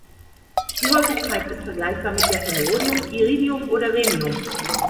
Die Häufigkeit ist vergleichbar mit der von Rhodium, Iridium oder Rhenium.